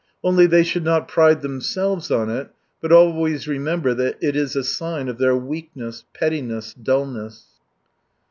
Only, they should not pride themselves on it, but always remember that it is a sign of their weakness, pettiness, dullness.